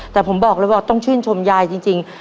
แต่ผมบอกเลยว่าต้องชื่นชมยายจริง